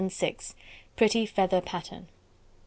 VI. Pretty Feather Pattern.